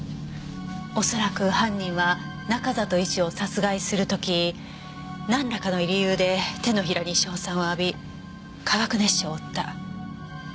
おそらく犯人は中里医師を殺害する時なんらかの理由で手のひらに硝酸を浴び化学熱傷を負った。